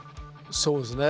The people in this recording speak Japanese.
そうですね